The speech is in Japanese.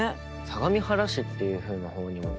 相模原市っていうふうな方にも。